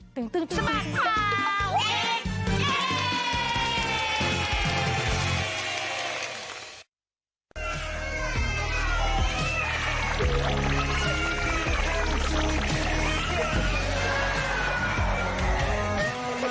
สบัดข่าวเด็ก